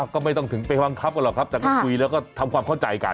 ก็ไม่ต้องถึงไปบังคับกันหรอกครับแต่ก็คุยแล้วก็ทำความเข้าใจกัน